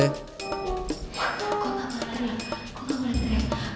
kok gak boleh kok gak boleh terep